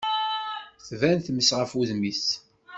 tban tmes ɣef wudem-is.